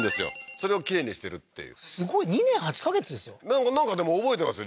それをきれいにしてるっていうすごい２年８ヵ月ですよなんかでも覚えてますよ